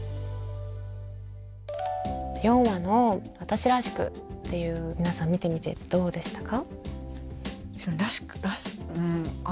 ４話の「わたしらしく」っていう皆さん見てみてどうでしたか？